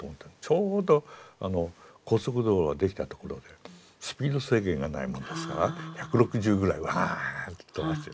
ちょうど高速道路ができたところでスピード制限がないものですから１６０ぐらいワーッと飛ばして。